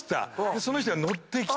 その人が乗ってきた。